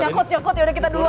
nyangkut udah kita duluan